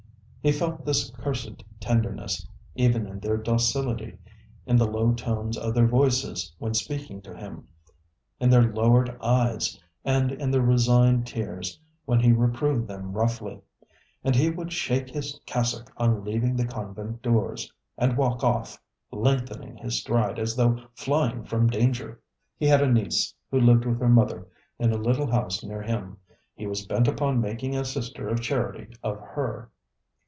He felt this cursed tenderness, even in their docility, in the low tones of their voices when speaking to him, in their lowered eyes, and in their resigned tears when he reproved them roughly. And he would shake his cassock on leaving the convent doors, and walk off, lengthening his stride as though flying from danger. He had a niece who lived with her mother in a little house near him. He was bent upon making a sister of charity of her.